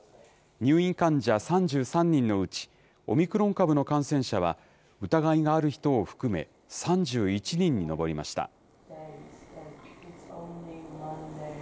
入院患者３３人のうちオミクロン株の感染者は、疑いのある人を含め３１人に上りました。